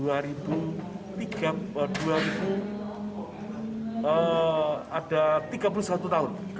ada tiga puluh satu tahun